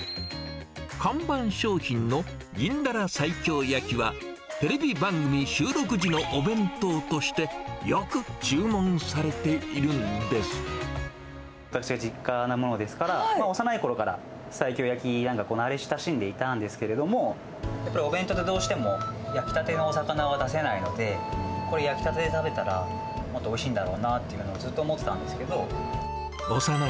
看板商品の銀ダラ西京焼きはテレビ番組収録時のお弁当として、私の実家なものですから、幼いころから、西京焼きなんかには慣れ親しんでいたんですけれども、やっぱりお弁当って、どうしても焼きたてのお魚は出せないので、これ、焼きたてで食べたらもっとおいしいんだろうなとずっと思ってたんですけど。